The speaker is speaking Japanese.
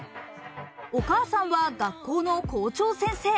お母さんは学校の校長先生。